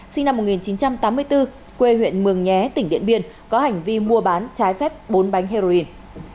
sinh năm một nghìn chín trăm tám mươi bốn quê huyện mường nhé tỉnh điện biên có hành vi mua bán trái phép bốn bánh heroin